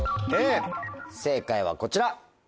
正解はこちら。